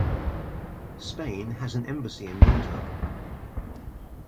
Spain has an embassy in Windhoek.